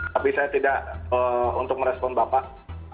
tapi saya tidak untuk merespon bapak